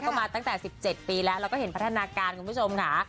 ก็มาตั้งแต่๑๗ปีแล้วเราก็เห็นพัฒนาการคุณผู้ชมค่ะ